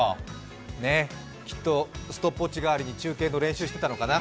きっとストップウオッチ代わりに中継の練習してたかのかな？